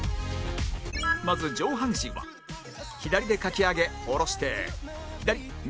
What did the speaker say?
まず上半身は左でかき上げ下ろして左右左